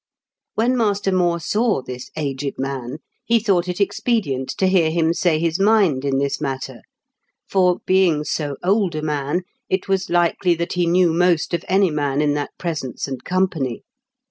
When Master More saw this aged man, he thought it ex pedient to hear him say his mind in this matter, for, being so old a man, it was likely that he knew most of any man in that presence and company.